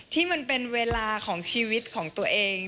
ที่มันเป็นเวลาของชีวิตของตัวเอง